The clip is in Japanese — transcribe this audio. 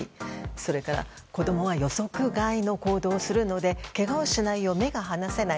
それから子供は予想外の行動をするのでけがをしないよう目が離せない。